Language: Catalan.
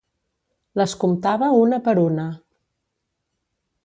Les comptava una per una.